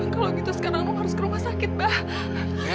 kalau begitu sekarang harus ke rumah sakit pak